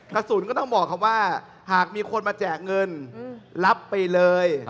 กระสุนก็ต้องบอกครับว่าหากมีคนมาแจกเงินรับไปเลย